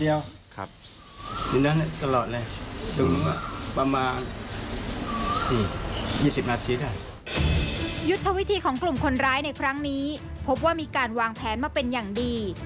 ยุทธวิธีของกลุ่มคนร้ายในครั้งนี้พบว่ามีการวางแผนมาเป็นอย่างดี